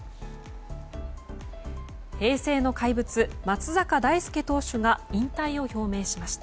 平成の怪物・松坂大輔投手が引退を表明しました。